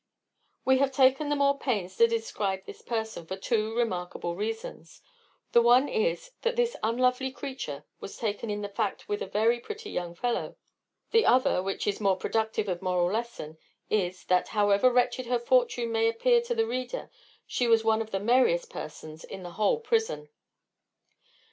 We have taken the more pains to describe this person, for two remarkable reasons; the one is, that this unlovely creature was taken in the fact with a very pretty young fellow; the other, which is more productive of moral lesson, is, that however wretched her fortune may appear to the reader, she was one of the merriest persons in the whole prison.